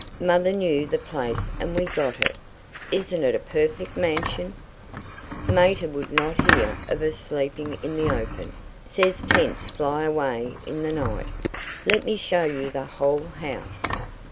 Mother knew the place and we got it. Isn't it a perfect mansion? Mater would not hear of us sleeping in the open says tents fly away in the night. Let me show you the whole house."